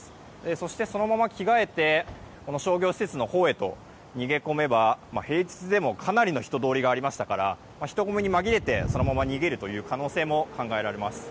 そして、そのまま着替えて商業施設のほうへと逃げ込めば平日でもかなりの人通りがありましたから人混みに紛れてそのまま逃げる可能性も考えられます。